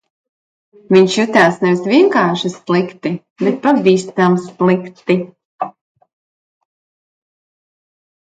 Viņš jutās nevis vienkārši slikti, bet pavisam slikti.